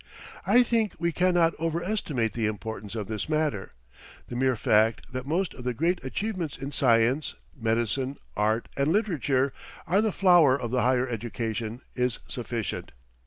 I think we cannot overestimate the importance of this matter. The mere fact that most of the great achievements in science, medicine, art, and literature are the flower of the higher education is sufficient.